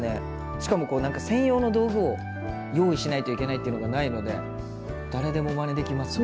しかも何か専用の道具を用意しないといけないっていうのがないので誰でもまねできますね。